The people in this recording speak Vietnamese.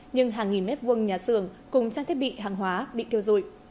nhưng hàng nghìn mét vuông nhà xưởng cùng trang thiết bị hàng hóa bị thiêu dụi